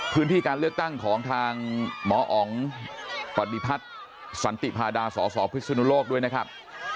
พื้นที่การเลือกตั้งของทางหมออ๋องปฏิพัฒน์สันติพาดาสสพิศนุโลกด้วยนะครับ